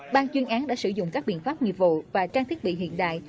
ban chuyên án đã sử dụng các biện pháp nghiệp vụ và trang thiết bị hiện đại